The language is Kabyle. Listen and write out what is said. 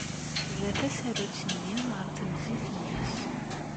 Terra tasarut-nni ɣer temzit-nnes.